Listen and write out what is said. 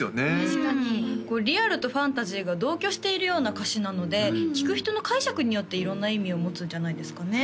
確かにこうリアルとファンタジーが同居しているような歌詞なので聴く人の解釈によって色んな意味を持つんじゃないですかね？